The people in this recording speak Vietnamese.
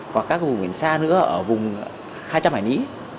và các vùng biển xa nữa ở vùng hai trăm hải nhĩ